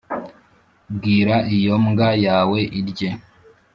bwira iyo mbwa yawe irye